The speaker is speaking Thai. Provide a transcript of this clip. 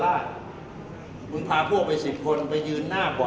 มันเป็นสิ่งที่เราไม่รู้สึกว่า